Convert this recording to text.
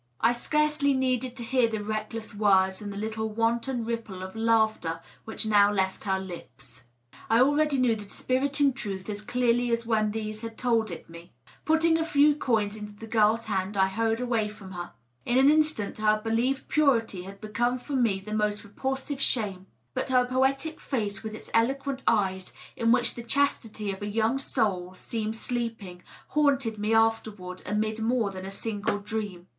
.. I scarcely needed to hear the reckless words and the little wanton ripple of laughter which now left her lips ; I already knew the dispiriting truth as clearly as when these had told it me !.. Putting a few coins into the girl's hand, I hurried away fi'om her. In an instant her believed purity had become for me the most repulsive shame. But her poetic face, with its eloquent eyes, in which the chastity of a young soul seemed sleeping, haunted me afterward amid more than a single dream.